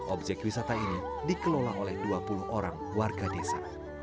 objek wisata ini dikelola oleh dua puluh orang warga desa